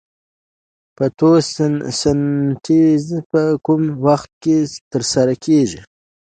فتوسنتیز په کوم وخت کې ترسره کیږي